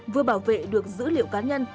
vừa bảo vệ được dữ liệu cá nhân